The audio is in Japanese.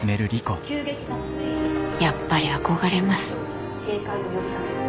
やっぱり憧れます。